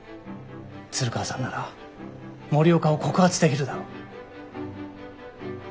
鶴川さんなら森岡を告発できるだろ。